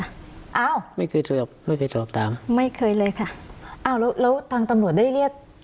อ้าวไม่เคยสอบไม่เคยสอบถามไม่เคยเลยค่ะอ้าวแล้วแล้วทางตำรวจได้เรียก